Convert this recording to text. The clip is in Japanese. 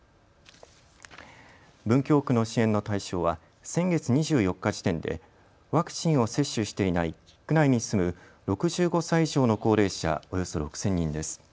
文京区の支援の対象は先月２４日時点でワクチンを接種していない区内に住む６５歳以上の高齢者およそ６０００人です。